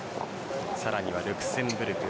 さらにはルクセンブルク。